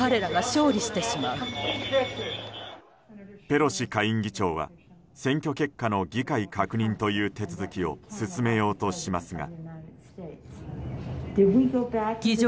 ペロシ下院議長は選挙結果の議会確認という手続きを進めようとしますが。